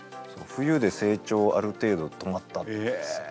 冬で成長ある程度止まったんですよ。